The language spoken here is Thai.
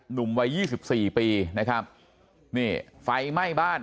หนุ่มวัยยี่สิบสี่ปีนะครับนี่ไฟไหม้บ้าน